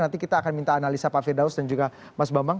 nanti kita akan minta analisa pak firdaus dan juga mas bambang